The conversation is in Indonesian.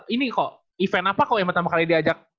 ini kok event apa kok yang pertama kali diajak